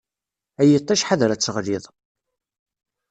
Ay iṭṭij ḥader ad teɣliḍ.